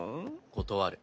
断る。